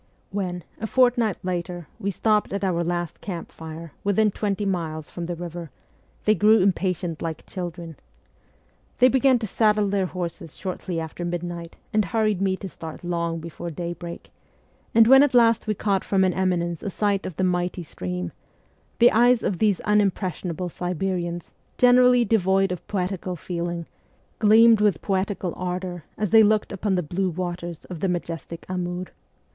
When, a fortnight later, we stopped at our last camp fire within twenty miles from the river, they grew impatient like children. They began to saddle their horses shortly after midnight, and hurried me to start long before daybreak ; and when at SIBERIA 239 last we caught from an eminence * a sight of the mighty stream, the eyes of these unimpressionable Siberians, generally devoid of poetical feeling, gleamed with poetical ardour as they looked upon the blue waters of the majestic Amur.